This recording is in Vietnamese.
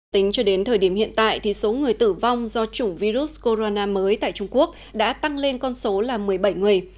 tính cho đến thời điểm hiện tại thì số người tử vong do chủng virus corona mới tại trung quốc đã tăng lên con số là một mươi bảy người